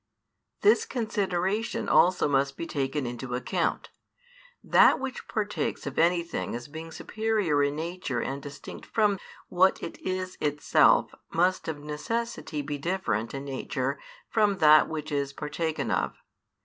This consideration also must be taken into account. That which partakes of anything as being superior in nature and distinct from what it is itself must of necessity be different in nature from that which is partaken of.